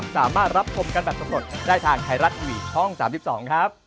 สำหรับทุกคนได้ทางไทรัตวิทย์ช่อง๓๒ครับ